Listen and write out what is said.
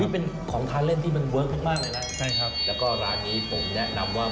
เป็นของทานเล่นที่เวิร์กฤชฯมากเลยนะครับและร้านนี้ผมแนะนำว่า